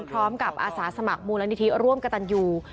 อาสาสมัครมูลนิธิร่วมกระตันยู